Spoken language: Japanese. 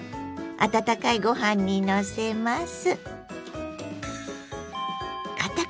温かいご飯にのせます。